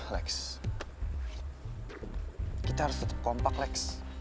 lex kita harus tetep kompak lex